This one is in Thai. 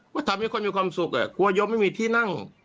ก็ทำให้คนมีความสุขกลัวยกไม่มีที่นั่ง